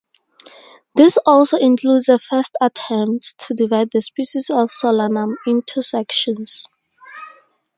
This also includes a first attempt to divide the species of "Solanum" into sections.